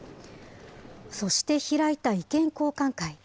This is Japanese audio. そして開いた意見交換会。